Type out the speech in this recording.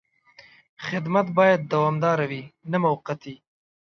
خدمت باید دوامداره وي، نه موقتي.